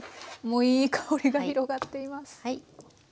もういい香りが広がっています。